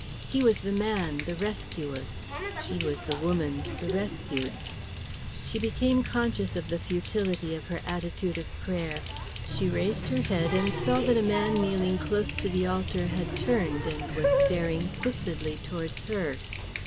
He was the man, the rescuer; she was the woman, the rescued. She became conscious of the futility of her attitude of prayer. She raised her head and saw that a man kneeling close to the altar had turned and was staring fixedly towards her.